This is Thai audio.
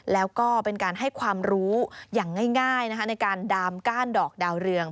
แล้วก็เป็นการให้ความรู้อย่างง่ายในการดามก้านดอกดาวเรือง